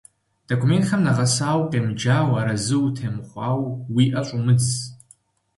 Документхэм нэгъэсауэ укъемыджауэ, арэзы утемыхъуауэ, уи ӏэ щӏумыдз.